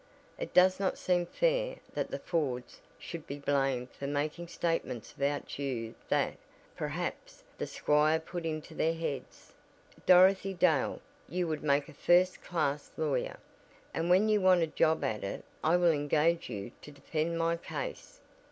It does not seem fair that the Fords should be blamed for making statements about you that, perhaps, the squire put into their heads." "Dorothy Dale, you would make a first class lawyer, and when you want a job at it I will engage you to defend my case.